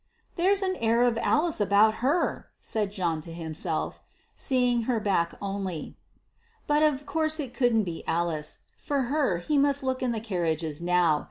"There's an air of Alice about her" said John to himself, seeing her back only. But of course it couldn't be Alice; for her he must look in the carriages now!